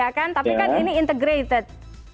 ya kan tapi kan ini integrated